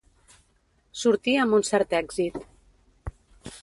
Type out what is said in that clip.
Sortí amb un cert èxit.